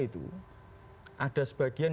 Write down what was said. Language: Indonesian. itu ada sebagian